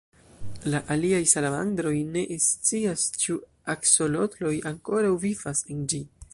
La aliaj salamandroj ne scias ĉu aksolotloj ankoraŭ vivas en ĝi.